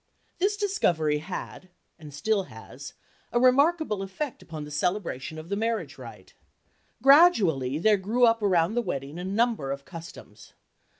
This discovery had—and still has—a remarkable effect upon the celebration of the marriage rite. Gradually there grew up around the wedding a number of customs.